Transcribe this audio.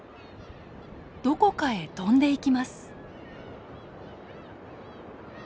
どこかへ飛んでいきます。